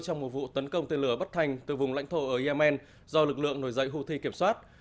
trong một vụ tấn công tên lửa bất thành từ vùng lãnh thổ ở yemen do lực lượng nổi dậy houthi kiểm soát